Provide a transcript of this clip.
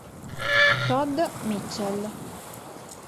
Todd Mitchell